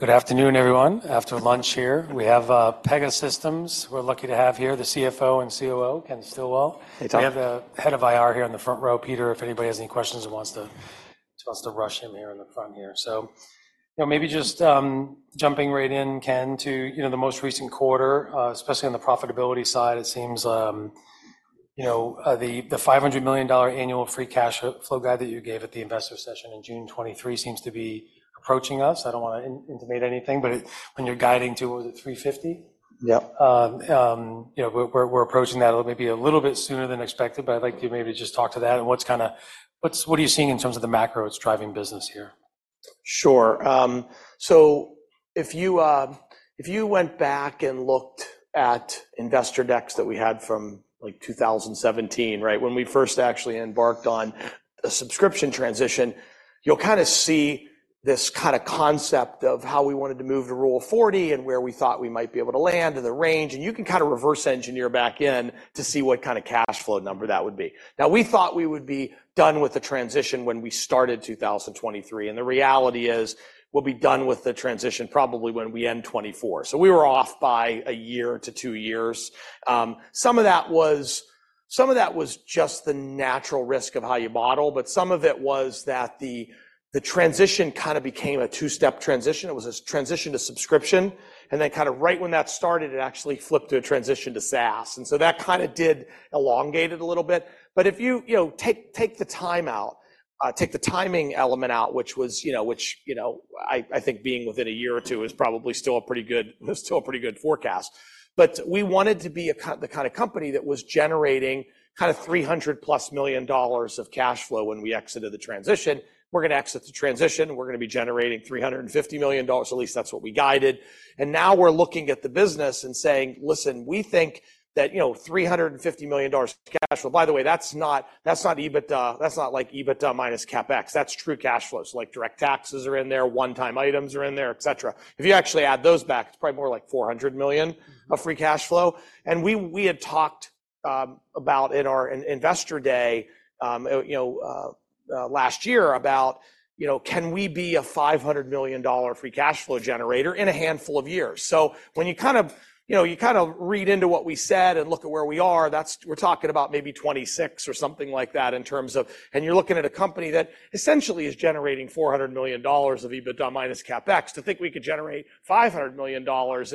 Good afternoon, everyone. After lunch here, we have Pegasystems. We're lucky to have here the CFO and COO, Ken Stillwell. Hey, Tom. We have the Head of IR here in the front row, Peter, if anybody has any questions or wants to rush him here in the front here. So, you know, maybe just jumping right in, Ken, to you know, the most recent quarter, especially on the profitability side, it seems, you know, the $500 million annual free cash flow guide that you gave at the investor session in June 2023 seems to be approaching us. I don't want to intimate anything, but it when you're guiding to, was it $350 million? Yep. You know, we're approaching that a little maybe a little bit sooner than expected, but I'd like you maybe to just talk to that and what are you seeing in terms of the macro that's driving business here? Sure. So if you, if you went back and looked at investor decks that we had from, like, 2017, right, when we first actually embarked on the subscription transition, you'll kind of see this kind of concept of how we wanted to move to Rule 40 and where we thought we might be able to land and the range. And you can kind of reverse engineer back in to see what kind of cash flow number that would be. Now, we thought we would be done with the transition when we started 2023. And the reality is we'll be done with the transition probably when we end 2024. So we were off by a year to two years. Some of that was some of that was just the natural risk of how you model. But some of it was that the, the transition kind of became a two-step transition. It was a transition to subscription. And then kind of right when that started, it actually flipped to a transition to SaaS. And so that kind of did elongate it a little bit. But if you, you know, take the time out, take the timing element out, which was, you know, I think being within a year or two is probably still a pretty good forecast. But we wanted to be a kind of company that was generating kind of $300+ million of cash flow when we exited the transition. We're going to exit the transition. We're going to be generating $350 million. At least that's what we guided. And now we're looking at the business and saying, "Listen, we think that, you know, $350 million cash flow"—by the way, that's not that's not EBITDA that's not like EBITDA minus CapEx. That's true cash flows. Like direct taxes are in there. One-time items are in there, etc. If you actually add those back, it's probably more like $400 million of free cash flow. And we, we had talked about in our Investor Day, you know, last year about, you know, can we be a $500 million free cash flow generator in a handful of years? So when you kind of, you know, you kind of read into what we said and look at where we are, that's we're talking about maybe 2026 or something like that in terms of and you're looking at a company that essentially is generating $400 million of EBITDA minus CapEx. To think we could generate $500 million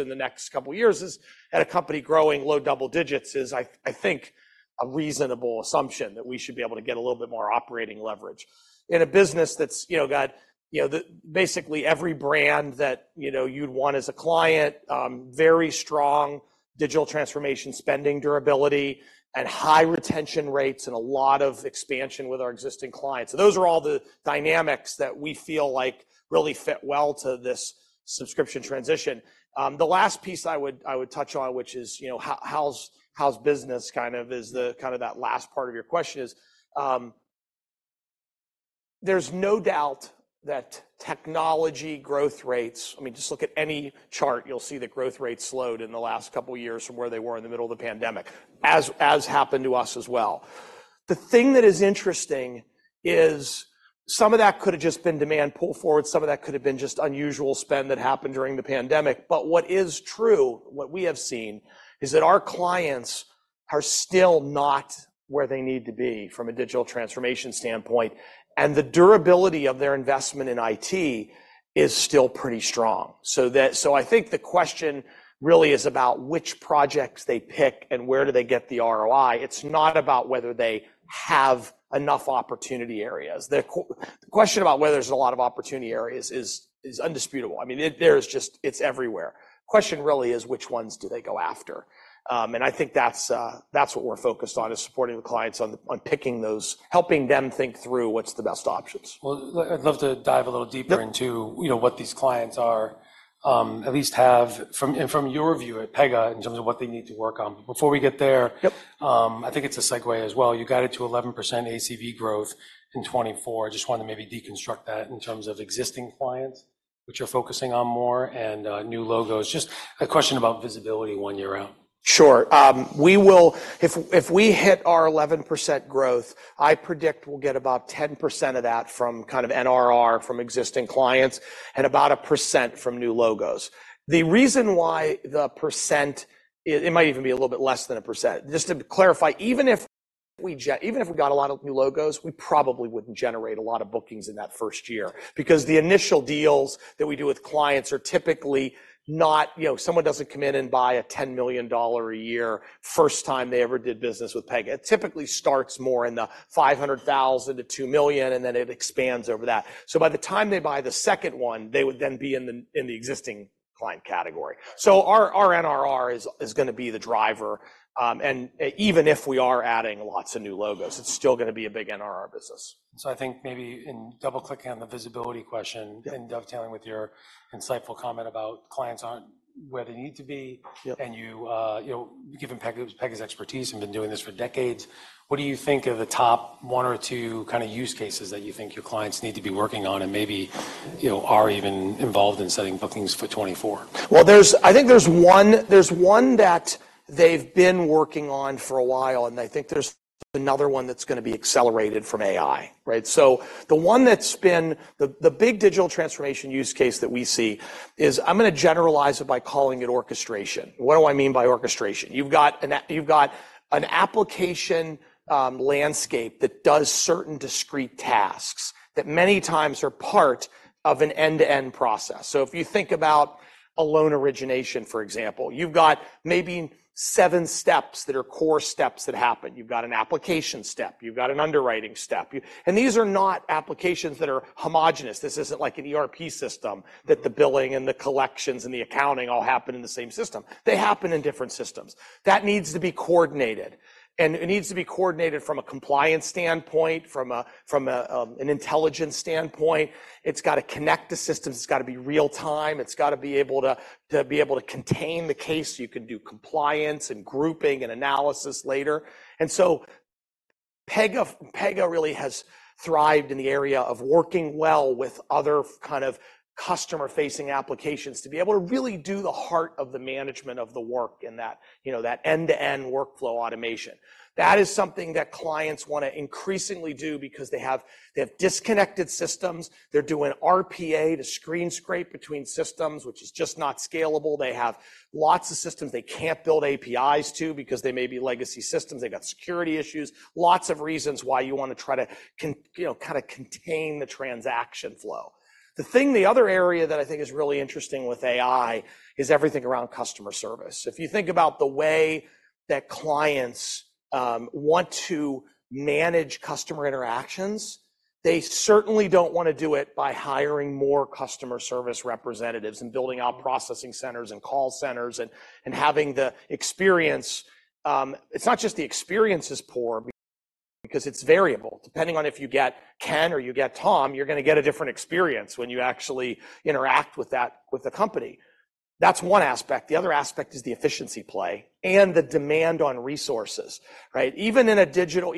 in the next couple of years is, at a company growing low double digits, I think, a reasonable assumption that we should be able to get a little bit more operating leverage. In a business that's, you know, got, you know, the basically every brand that, you know, you'd want as a client, very strong digital transformation spending durability and high retention rates and a lot of expansion with our existing clients. So those are all the dynamics that we feel like really fit well to this subscription transition. The last piece I would touch on, which is, you know, how's business kind of is the kind of that last part of your question is, there's no doubt that technology growth rates, I mean, just look at any chart. You'll see the growth rate slowed in the last couple of years from where they were in the middle of the pandemic, as happened to us as well. The thing that is interesting is some of that could have just been demand pull forward. Some of that could have been just unusual spend that happened during the pandemic. But what is true, what we have seen, is that our clients are still not where they need to be from a digital transformation standpoint. And the durability of their investment in IT is still pretty strong. So I think the question really is about which projects they pick and where do they get the ROI. It's not about whether they have enough opportunity areas. The question about whether there's a lot of opportunity areas is undisputable. I mean, there is just, it's everywhere. Question really is which ones do they go after? And I think that's, that's what we're focused on is supporting the clients on picking those helping them think through what's the best options. Well, I'd love to dive a little deeper into, you know, what these clients are, at least have from and from your view at Pega in terms of what they need to work on. Before we get there. Yep. I think it's a segue as well. You got it to 11% ACV growth in 2024. I just wanted to maybe deconstruct that in terms of existing clients, which you're focusing on more, and, new logos. Just a question about visibility one year out. Sure. We will if we hit our 11% growth, I predict we'll get about 10% of that from kind of NRR from existing clients and about 1% from new logos. The reason why the 1% is it might even be a little bit less than 1%. Just to clarify, even if we got a lot of new logos, we probably wouldn't generate a lot of bookings in that first year. Because the initial deals that we do with clients are typically not, you know, someone doesn't come in and buy a $10 million a year first time they ever did business with Pega. It typically starts more in the $500,000-$2 million. And then it expands over that. So by the time they buy the second one, they would then be in the existing client category. So our NRR is going to be the driver. And even if we are adding lots of new logos, it's still going to be a big NRR business. I think maybe in double-clicking on the visibility question. Yep. Dovetailing with your insightful comment about clients aren't where they need to be. Yep. You, you know, given Pega's expertise and been doing this for decades, what do you think are the top one or two kind of use cases that you think your clients need to be working on and maybe, you know, are even involved in setting bookings for 2024? Well, I think there's one that they've been working on for a while. I think there's another one that's going to be accelerated from AI, right? So the one that's been the big digital transformation use case that we see is—I'm going to generalize it by calling it orchestration. What do I mean by orchestration? You've got an application landscape that does certain discrete tasks that many times are part of an end-to-end process. So if you think about a loan origination, for example, you've got maybe seven steps that are core steps that happen. You've got an application step. You've got an underwriting step. And these are not applications that are homogeneous. This isn't like an ERP system that the billing and the collections and the accounting all happen in the same system. They happen in different systems. That needs to be coordinated. It needs to be coordinated from a compliance standpoint, from an intelligence standpoint. It's got to connect to systems. It's got to be real-time. It's got to be able to contain the case. You can do compliance and grouping and analysis later. So Pega really has thrived in the area of working well with other kind of customer-facing applications to be able to really do the heart of the management of the work in that, you know, that end-to-end workflow automation. That is something that clients want to increasingly do because they have disconnected systems. They're doing RPA to screen scrape between systems, which is just not scalable. They have lots of systems they can't build APIs to because they may be legacy systems. They got security issues. Lots of reasons why you want to try to, you know, kind of contain the transaction flow. The thing, the other area that I think is really interesting with AI is everything around customer service. If you think about the way that clients want to manage customer interactions, they certainly don't want to do it by hiring more customer service representatives and building out processing centers and call centers and having the experience. It's not just the experience is poor because it's variable. Depending on if you get Ken or you get Tom, you're going to get a different experience when you actually interact with the company. That's one aspect. The other aspect is the efficiency play and the demand on resources, right? Even in a digital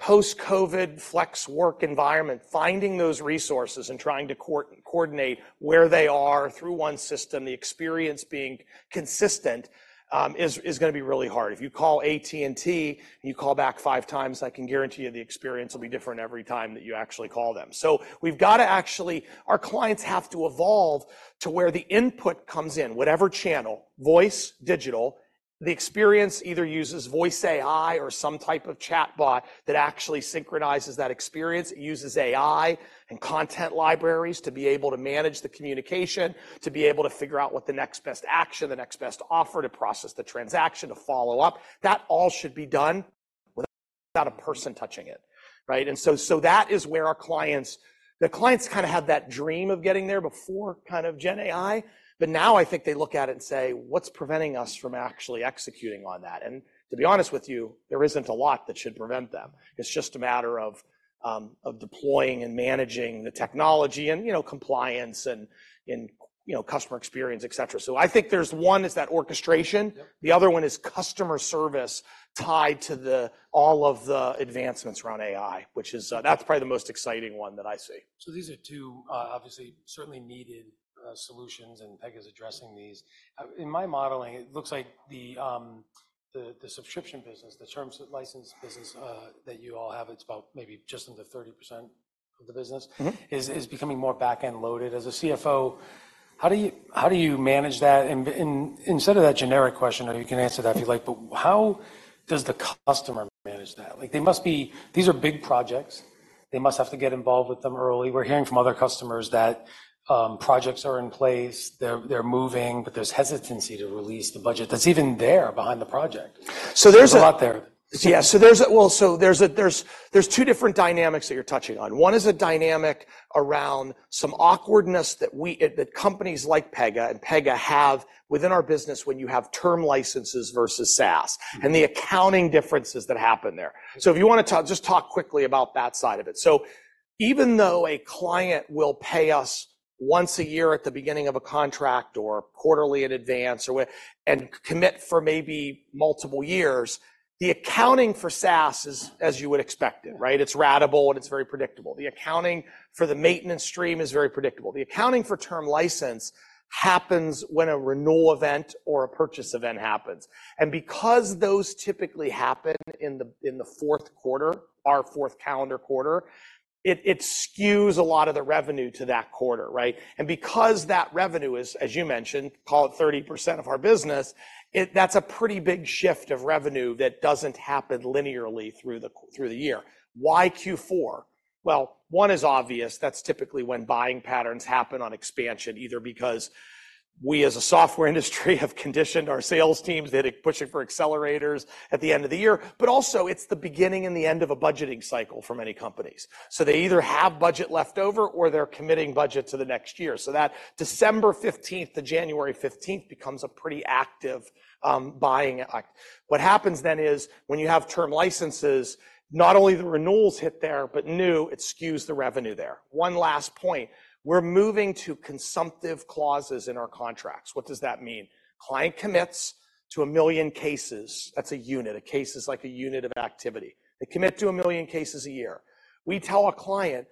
post-COVID flex work environment, finding those resources and trying to coordinate where they are through one system, the experience being consistent, is going to be really hard. If you call AT&T and you call back five times, I can guarantee you the experience will be different every time that you actually call them. So we've got to actually our clients have to evolve to where the input comes in, whatever channel, voice, digital. The experience either uses Voice AI or some type of chatbot that actually synchronizes that experience. It uses AI and content libraries to be able to manage the communication, to be able to figure out what the Next-Best-Action, the Next-Best-Offer to process the transaction, to follow up. That all should be done without a person touching it, right? And so that is where our clients kind of had that dream of getting there before kind of GenAI. But now I think they look at it and say, "What's preventing us from actually executing on that?" And to be honest with you, there isn't a lot that should prevent them. It's just a matter of deploying and managing the technology and, you know, compliance and, you know, customer experience, etc. So I think there's one is that orchestration. The other one is customer service tied to all of the advancements around AI, which is, that's probably the most exciting one that I see. So these are two, obviously certainly needed, solutions. Pega's addressing these. In my modeling, it looks like the subscription business, the term license business, that you all have, it's about maybe just under 30% of the business. Mm-hmm. It is becoming more back-end loaded. As a CFO, how do you manage that? And instead of that generic question, or you can answer that if you like, but how does the customer manage that? Like, they must be these are big projects. They must have to get involved with them early. We're hearing from other customers that projects are in place. They're moving. But there's hesitancy to release the budget that's even there behind the project. A lot there. Yeah. Well, so there's two different dynamics that you're touching on. One is a dynamic around some awkwardness that companies like Pega and Pega have within our business when you have term licenses versus SaaS and the accounting differences that happen there. So if you want to talk quickly about that side of it. So even though a client will pay us once a year at the beginning of a contract or quarterly in advance and commit for maybe multiple years, the accounting for SaaS is as you would expect it, right? It's ratable. And it's very predictable. The accounting for the maintenance stream is very predictable. The accounting for term license happens when a renewal event or a purchase event happens. And because those typically happen in the fourth quarter, our fourth calendar quarter, it skews a lot of the revenue to that quarter, right? And because that revenue is, as you mentioned, call it 30% of our business, that's a pretty big shift of revenue that doesn't happen linearly through the year. Why Q4? Well, one is obvious. That's typically when buying patterns happen on expansion, either because we as a software industry have conditioned our sales teams that are pushing for accelerators at the end of the year. But also, it's the beginning and the end of a budgeting cycle for many companies. So they either have budget leftover or they're committing budget to the next year. So that December 15th to January 15th becomes a pretty active, buying act. What happens then is when you have term licenses, not only the renewals hit there, but new, it skews the revenue there. One last point. We're moving to consumptive clauses in our contracts. What does that mean? Client commits to 1 million cases. That's a unit. A case is like a unit of activity. They commit to 1 million cases a year. We tell a client,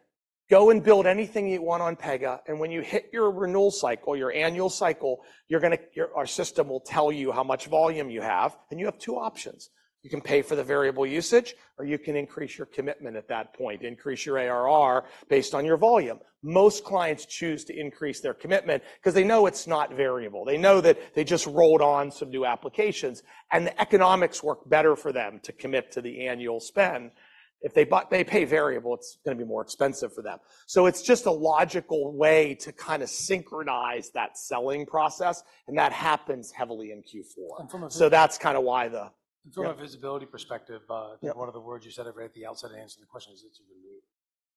"Go and build anything you want on Pega. And when you hit your renewal cycle, your annual cycle, you're going to your our system will tell you how much volume you have." And you have two options. You can pay for the variable usage. Or you can increase your commitment at that point, increase your ARR based on your volume. Most clients choose to increase their commitment because they know it's not variable. They know that they just rolled on some new applications. The economics work better for them to commit to the annual spend. If they bought they pay variable, it's going to be more expensive for them. So it's just a logical way to kind of synchronize that selling process. That happens heavily in Q4. So that's kind of why the. From a visibility perspective, Yep. One of the words you said right at the outset answering the question is it's a renewal.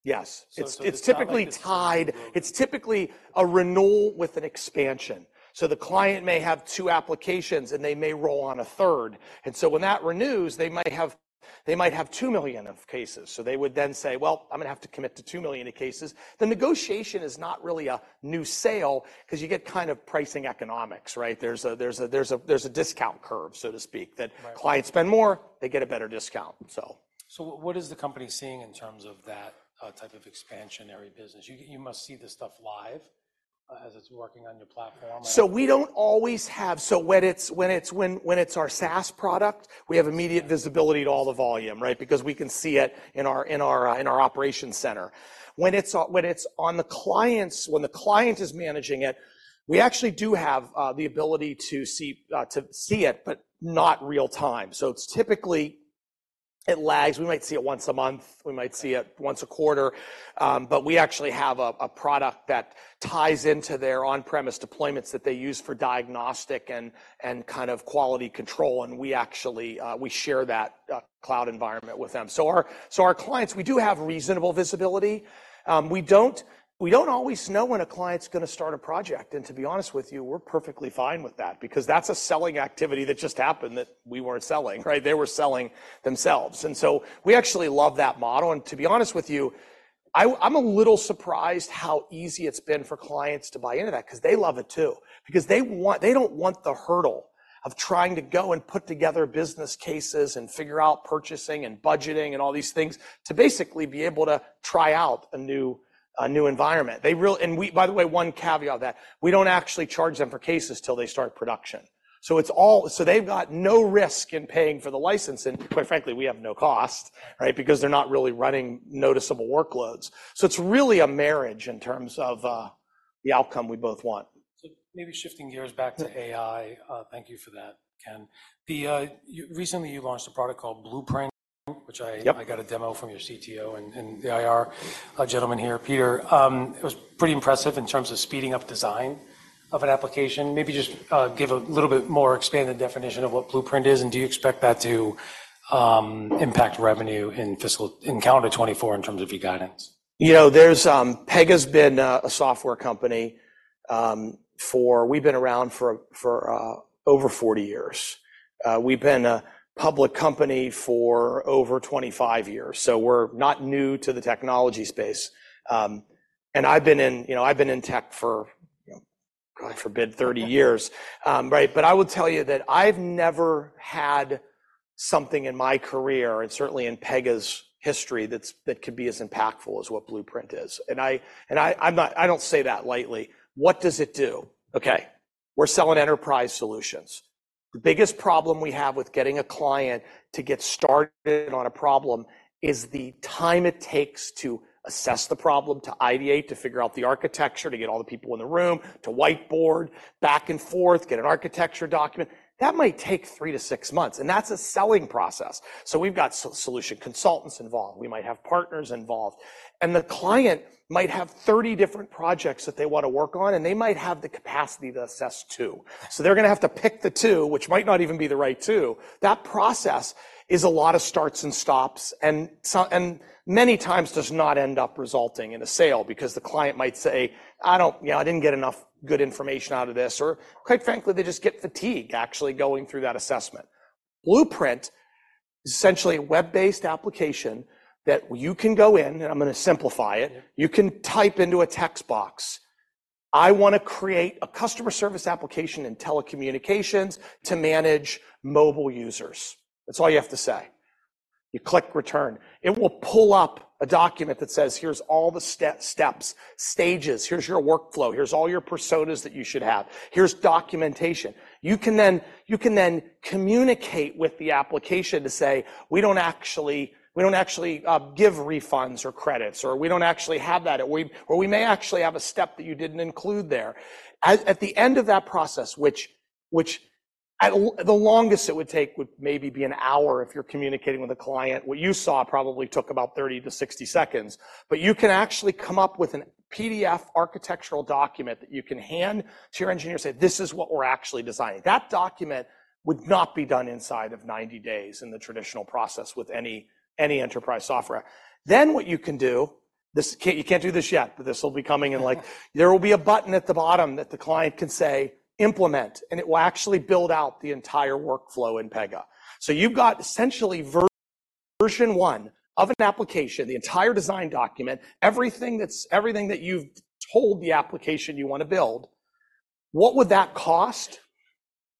Yes. It's typically tied. It's typically a renewal with an expansion. So the client may have two applications. And they may roll on a third. And so when that renews, they might have 2 million of cases. So they would then say, "Well, I'm going to have to commit to 2 million of cases." The negotiation is not really a new sale because you get kind of pricing economics, right? There's a discount curve, so to speak, that clients spend more, they get a better discount, so. So, what is the company seeing in terms of that type of expansionary business? You get, you must see this stuff live, as it's working on your platform. So we don't always have so, when it's our SaaS product, we have immediate visibility to all the volume, right? Because we can see it in our operations center. When it's on the client's, when the client is managing it, we actually do have the ability to see it but not real-time. So it's typically it lags. We might see it once a month. We might see it once a quarter. But we actually have a product that ties into their on-premise deployments that they use for diagnostic and kind of quality control. And we actually share that cloud environment with them. So our clients, we do have reasonable visibility. We don't always know when a client's going to start a project. And to be honest with you, we're perfectly fine with that because that's a selling activity that just happened that we weren't selling, right? They were selling themselves. And so we actually love that model. And to be honest with you, I'm a little surprised how easy it's been for clients to buy into that because they love it too. Because they want, they don't want the hurdle of trying to go and put together business cases and figure out purchasing and budgeting and all these things to basically be able to try out a new, a new environment. They really and we, by the way, one caveat of that. We don't actually charge them for cases till they start production. So it's all, so they've got no risk in paying for the license. And quite frankly, we have no cost, right? Because they're not really running noticeable workloads. It's really a marriage in terms of the outcome we both want. So maybe shifting gears back to AI, thank you for that, Ken. You recently launched a product called Blueprint, which I. Yep. I got a demo from your CTO and the IR gentleman here, Peter. It was pretty impressive in terms of speeding up design of an application. Maybe just give a little bit more expanded definition of what Blueprint is. And do you expect that to impact revenue in fiscal, in calendar 2024 in terms of your guidance? You know, Pega's been a software company. We've been around for over 40 years. We've been a public company for over 25 years. So we're not new to the technology space. And I've been in, you know, I've been in tech for, you know, God forbid, 30 years, right? But I would tell you that I've never had something in my career and certainly in Pega's history that could be as impactful as what Blueprint is. And I, I'm not, I don't say that lightly. What does it do? Okay. We're selling enterprise solutions. The biggest problem we have with getting a client to get started on a problem is the time it takes to assess the problem, to ideate, to figure out the architecture, to get all the people in the room, to whiteboard, back and forth, get an architecture document. That might take three to six months. That's a selling process. So we've got solution consultants involved. We might have partners involved. The client might have 30 different projects that they want to work on. They might have the capacity to asses two. So they're going to have to pick the two, which might not even be the right two. That process is a lot of starts and stops, and many times does not end up resulting in a sale because the client might say, "I don't you know, I didn't get enough good information out of this." Or quite frankly, they just get fatigue actually going through that assessment. Blueprint is essentially a web-based application that you can go in and I'm going to simplify it. You can type into a text box, "I want to create a customer service application in telecommunications to manage mobile users." That's all you have to say. You click return. It will pull up a document that says, "Here's all the steps, stages. Here's your workflow. Here's all your personas that you should have. Here's documentation." You can then communicate with the application to say, "We don't actually give refunds or credits. Or we don't actually have that. Or we may actually have a step that you didn't include there." At the end of that process, which at the longest it would take would maybe be an hour if you're communicating with a client, what you saw probably took about 30-60 seconds. But you can actually come up with a PDF architectural document that you can hand to your engineer and say, "This is what we're actually designing." That document would not be done inside of 90 days in the traditional process with any enterprise software. Then what you can do, this can't—you can't do this yet. But this will be coming in like. There will be a button at the bottom that the client can say, "Implement." And it will actually build out the entire workflow in Pega. So you've got essentially Version 1 of an application, the entire design document, everything that's everything that you've told the application you want to build. What would that cost?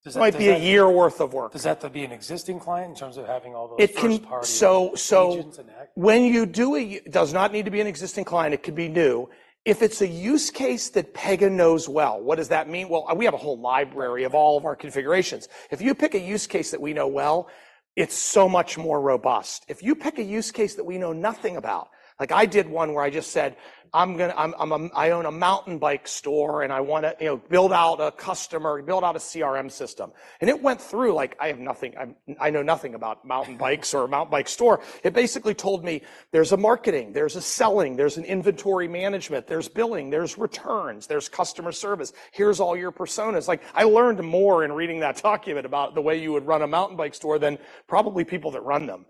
Does that. It might be a year's worth of work. Does that then be an existing client in terms of having all those first party engines and act? It can. So when you do, it does not need to be an existing client. It could be new. If it's a use case that Pega knows well, what does that mean? Well, we have a whole library of all of our configurations. If you pick a use case that we know well, it's so much more robust. If you pick a use case that we know nothing about, like I did one where I just said, "I'm going to. I'm a. I own a mountain bike store. And I want to, you know, build out a customer, build out a CRM system." And it went through like, "I have nothing. I know nothing about mountain bikes or a mountain bike store." It basically told me, "There's a marketing. There's a selling. There's an inventory management. There's billing. There's returns. There's customer service. Here's all your personas." Like, I learned more in reading that document about the way you would run a mountain bike store than probably people that run them.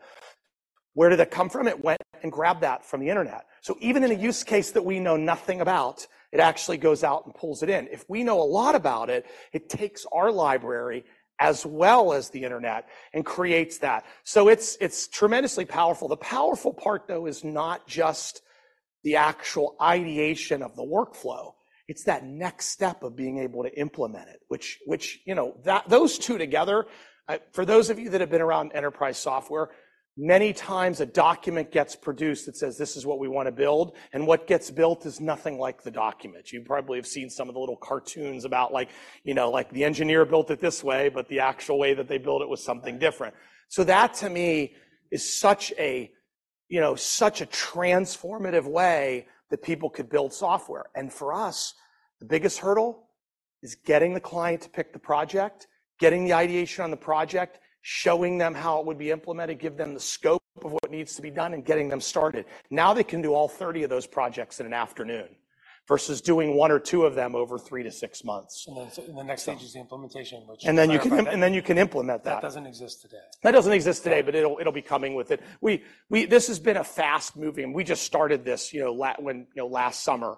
Where did that come from? It went and grabbed that from the Internet. So even in a use case that we know nothing about, it actually goes out and pulls it in. If we know a lot about it, it takes our library as well as the Internet and creates that. So it's tremendously powerful. The powerful part though is not just the actual ideation of the workflow. It's that next step of being able to implement it, which, you know, those two together, for those of you that have been around enterprise software, many times a document gets produced that says, "This is what we want to build." And what gets built is nothing like the document. You probably have seen some of the little cartoons about like, you know, like the engineer built it this way. But the actual way that they built it was something different. So that to me is such a, you know, such a transformative way that people could build software. For us, the biggest hurdle is getting the client to pick the project, getting the ideation on the project, showing them how it would be implemented, give them the scope of what needs to be done, and getting them started. Now they can do all 30 of those projects in an afternoon versus doing one or two of them over three to six months. In the next stage is the implementation, which. And then you can implement that. That doesn't exist today. That doesn't exist today. But it'll be coming with it. This has been a fast moving. We just started this, you know, late last summer. And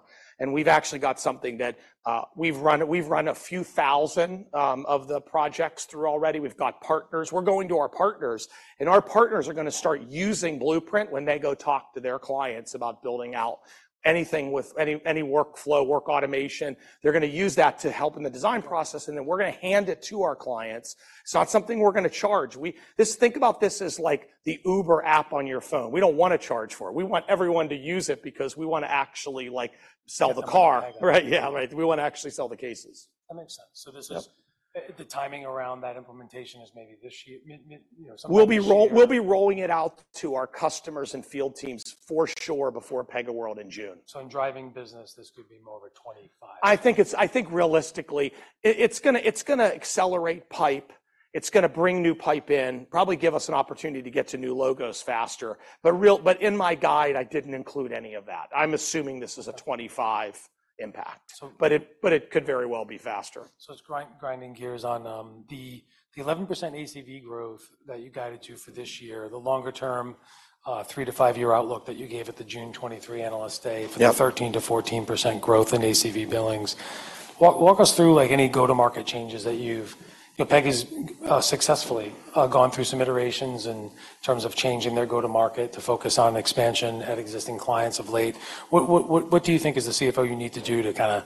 we've actually got something that we've run a few thousand of the projects through already. We've got partners. We're going to our partners. And our partners are going to start using Blueprint when they go talk to their clients about building out anything with any workflow, work automation. They're going to use that to help in the design process. And then we're going to hand it to our clients. It's not something we're going to charge. We think about this as like the Uber app on your phone. We don't want to charge for it. We want everyone to use it because we want to actually like sell the car, right? Yeah, right. We want to actually sell the cases. That makes sense. So this is the timing around that implementation is maybe this year, mid, you know, something like that. We'll be rolling it out to our customers and field teams for sure before PegaWorld in June. In driving business, this could be more of a 25. I think realistically, it's going to accelerate pipe. It's going to bring new pipe in, probably give us an opportunity to get to new logos faster. But in my guide, I didn't include any of that. I'm assuming this is a 25 impact. So. But it could very well be faster. So it's grinding gears on the 11% ACV growth that you guided for this year, the longer-term, three to five-year outlook that you gave at the June 2023 Analyst Day for the 13%-14% growth in ACV billings. Walk us through like any go-to-market changes that you've, you know, Pega's successfully gone through some iterations in terms of changing their go-to-market to focus on expansion at existing clients of late. What do you think is the CFO you need to do to kind of,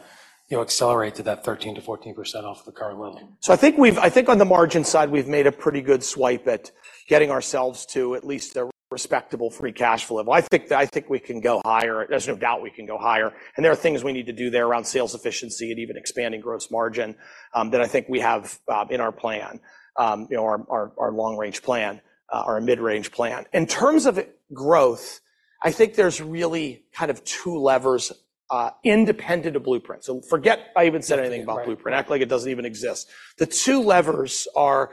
you know, accelerate to that 13%-14% off of the current level? So, I think we've, I think, on the margin side, we've made a pretty good swipe at getting ourselves to at least a respectable free cash flow. I think that, I think, we can go higher. There's no doubt we can go higher. And there are things we need to do there around sales efficiency and even expanding gross margin, that I think we have in our plan, you know, our long-range plan, our mid-range plan. In terms of growth, I think there's really kind of two levers, independent of Blueprint. So forget I even said anything about Blueprint. Act like it doesn't even exist. The two levers are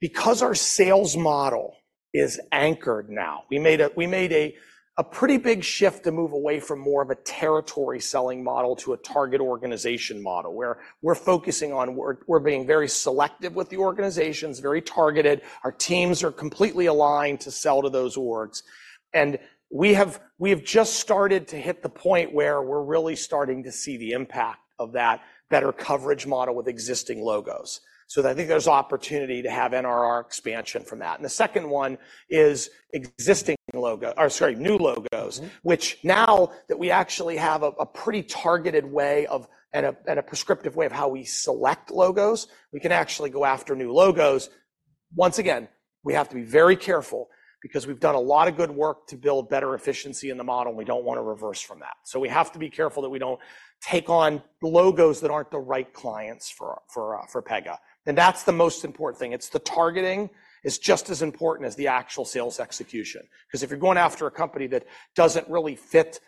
because our sales model is anchored now. We made a pretty big shift to move away from more of a territory selling model to a target organization model where we're focusing on being very selective with the organizations, very targeted. Our teams are completely aligned to sell to those orgs. And we have just started to hit the point where we're really starting to see the impact of that better coverage model with existing logos. So I think there's opportunity to have NRR expansion from that. And the second one is existing logo or sorry, new logos, which now that we actually have a pretty targeted way of and a prescriptive way of how we select logos, we can actually go after new logos. Once again, we have to be very careful because we've done a lot of good work to build better efficiency in the model. We don't want to reverse from that. We have to be careful that we don't take on logos that aren't the right clients for Pega. That's the most important thing. The targeting is just as important as the actual sales execution. Because if you're going after a company that doesn't really fit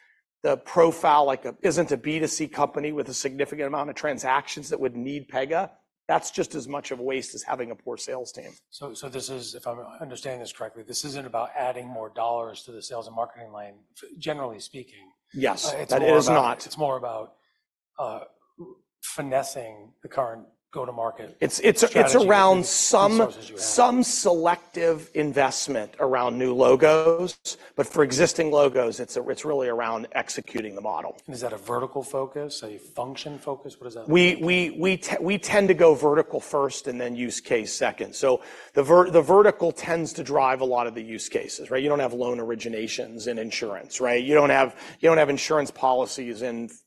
the profile like it isn't a B2C company with a significant amount of transactions that would need Pega, that's just as much of a waste as having a poor sales team. So, this is if I'm understanding this correctly, this isn't about adding more dollars to the sales and marketing line, generally speaking. Yes. That is not. It's more about finessing the current go-to-market strategy. It's around some selective investment around new logos. But for existing logos, it's really around executing the model. Is that a vertical focus? Are you function focused? What does that mean? We tend to go vertical first and then use case second. So the vertical tends to drive a lot of the use cases, right? You don't have loan originations in insurance, right? You don't have insurance policies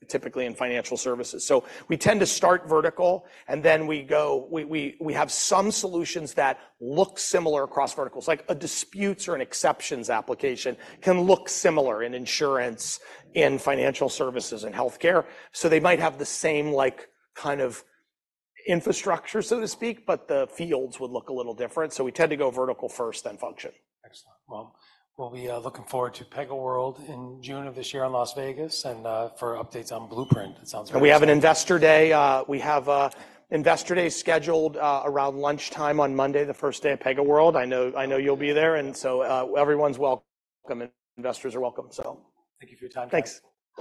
typically in financial services. So we tend to start vertical. And then we go, we have some solutions that look similar across verticals. Like a disputes or an exceptions application can look similar in insurance, in financial services, in healthcare. So they might have the same like kind of infrastructure, so to speak. But the fields would look a little different. So we tend to go vertical first then function. Excellent. Well, well, looking forward to PegaWorld in June of this year in Las Vegas. And for updates on Blueprint. It sounds very exciting. We have an Investor Day. We have Investor Day scheduled around lunchtime on Monday, the first day of PegaWorld. I know, I know you'll be there. And so, everyone's welcome. And investors are welcome, so. Thank you for your time. Thanks.